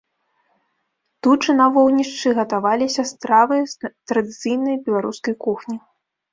Тут жа на вогнішчы гатаваліся стравы з традыцыйнай беларускай кухні.